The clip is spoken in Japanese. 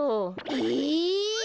え！